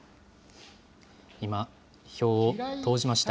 今、票を投じました。